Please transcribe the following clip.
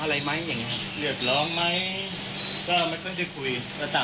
ศัลโเรียนริวัฒน์จะทำแต่ที่การวาส